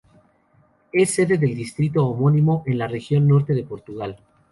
Es sede del distrito homónimo, en la Región Norte de Portugal.